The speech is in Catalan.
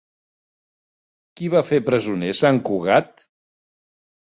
Qui va fer presoner sant Cugat?